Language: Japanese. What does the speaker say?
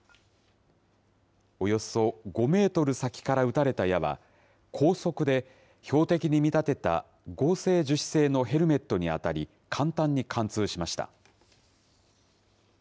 およそ５メートル先から撃たれた矢は、高速で標的に見立てた合成樹脂製のヘルメットに当たり、簡単に貫通しました。